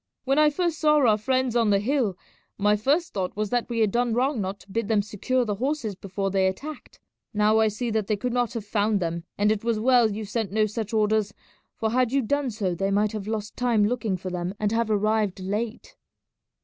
When I first saw our friends on the hill my first thought was that we had done wrong not to bid them secure the horses before they attacked. Now I see that they could not have found them; and it was well you sent no such orders, for had you done so they might have lost time looking for them and have arrived late."